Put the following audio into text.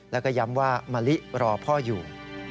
แล้วก็ย้ำว่ามะลิรอพ่ออยู่